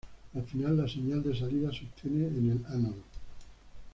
Al final, la señal de salida se obtiene en el ánodo.